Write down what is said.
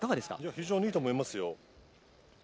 非常にいいと思いますよ。